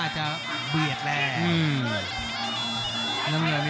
จะเบียดแรง